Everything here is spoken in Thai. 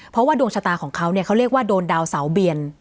เพราะว่าดวงชะตาของเขาเนี่ยเขาเรียกว่าโดนดาวเสาเบียน